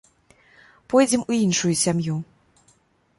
Пойдзем у іншую сям'ю.